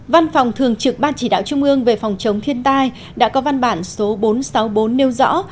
văn phòng thường trực ban chỉ đạo trung ương về phòng chống thiên tai đã có văn bản số bốn trăm sáu mươi bốn nêu rõ